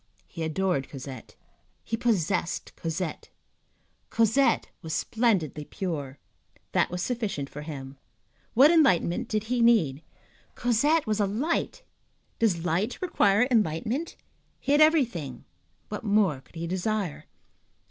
He adored Cosette, he possessed Cosette, Cosette was splendidly pure. That was sufficient for him. What enlightenment did he need? Cosette was a light. Does light require enlightenment? He had everything; what more could he desire?